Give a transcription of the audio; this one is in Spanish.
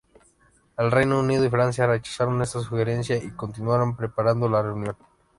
El Reino Unido y Francia rechazaron esta sugerencia y continuaron preparando la reunión.